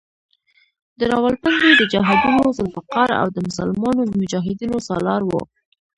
د راولپنډۍ د جهادونو ذوالفقار او د مسلمانو مجاهدینو سالار وو.